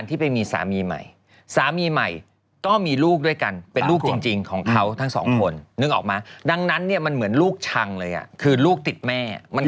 แต่ที่แน่สองคนมีส่วนรู้เหตุในร่วมกันแน่